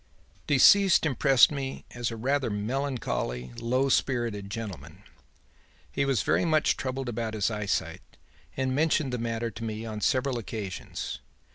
"'Deceased impressed me as a rather melancholy, low spirited gentleman. He was very much troubled about his eyesight and mentioned the matter to me on several occasions.